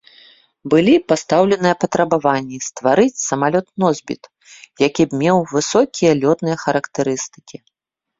Былі пастаўленыя патрабаванні стварыць самалёт-носьбіт, які б меў высокія лётныя характарыстыкі.